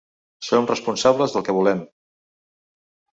Som responsables del que volem.